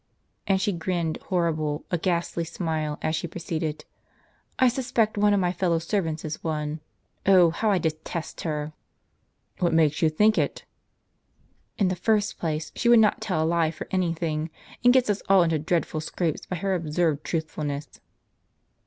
And she grinned horrible a ghastly smile as she proceeded :" I suspect one of my fellow servants is one. Oh, how I detest her! "" What makes you think it ?"•" In the first place, she would not tell a lie for anything, and gets us all into dreadful scrapes by her absurd truth fulness."